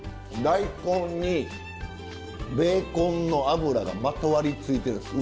大根にベーコンの油がまとわりついてる。